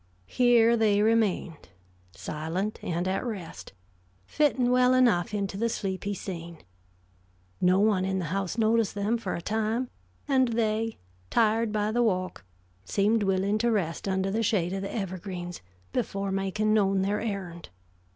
Here they remained, silent and at rest, fitting well enough into the sleepy scene. No one in the house noticed them for a time, and they, tired by the walk, seemed willing to rest under the shade of the evergreens before making known their errand.